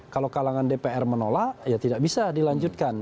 kalau kalangan dpr menolak ya tidak bisa dilanjutkan